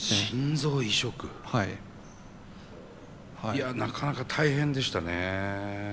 いやなかなか大変でしたね。